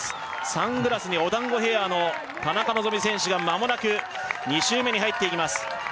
サングラスにお団子ヘアの田中希実選手がまもなく２周目に入っていきます